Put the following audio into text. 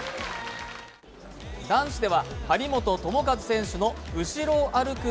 男子では張本智和選手の後ろを歩く